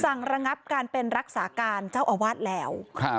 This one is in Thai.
ระงับการเป็นรักษาการเจ้าอาวาสแล้ว